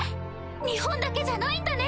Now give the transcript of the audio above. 日本だけじゃないんだね